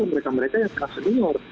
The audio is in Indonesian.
mereka mereka yang telah senior